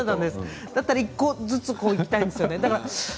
１個ずついきたいんですよね。